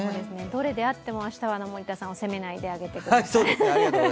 どれであっても明日は森田さんを責めないであげてください。